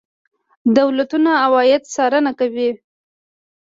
دولتونه عواید څارنه کوي.